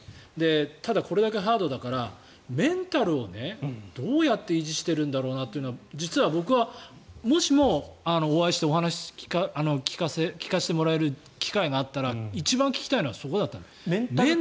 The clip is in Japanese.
ただ、これだけハードだからメンタルをどうやって維持しているのか実は僕は、もしもお会いしてお話を聞かせてもらえる機会があったら一番聞きたいのはそこだったんです。